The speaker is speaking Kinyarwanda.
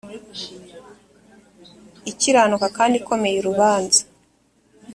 ikiranuka kandi ikomeye urubanza